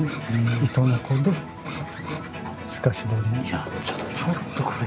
いやちょっとこれ。